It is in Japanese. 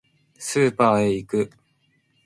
スーパーへ行く